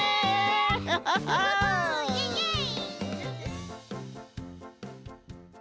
イエイイエイ！